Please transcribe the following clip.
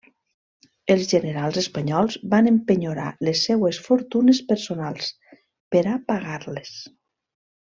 Els generals espanyols van empenyorar les seues fortunes personals per a pagar-les.